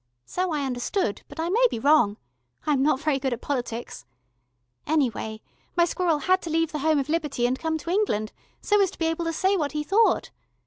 So I understood, but I may be wrong. I am not very good at politics. Anyway, my squirrel had to leave the Home of Liberty and come to England, so as to be able to say what he thought.